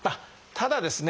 ただですね